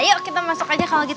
yuk kita masuk aja kalau gitu